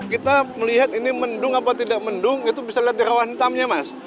kita melihat ini mendung apa tidak mendung itu bisa lihat di rawan hitamnya mas